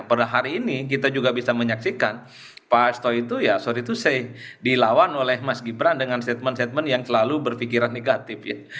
pada hari ini kita juga bisa menyaksikan pak asto itu ya sorry to say dilawan oleh mas gibran dengan statement statement yang selalu berpikiran negatif ya